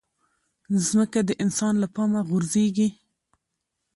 مځکه د انسان له پامه غورځيږي.